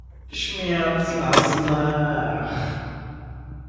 Schmerz, lass nach!